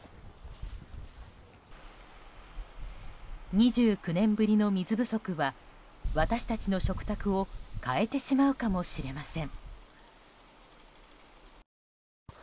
２９年ぶりの水不足は私たちの食卓を変えてしまうかもしれません。